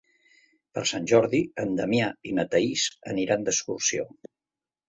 Per Sant Jordi en Damià i na Thaís aniran d'excursió.